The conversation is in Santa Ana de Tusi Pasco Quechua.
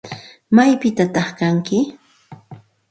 ¿Maypitataq kanki?